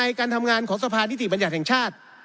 การทำงานของสภานิติบัญญัติแห่งชาติ